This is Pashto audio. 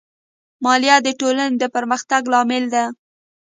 مالیه د ټولنې د پرمختګ لامل دی.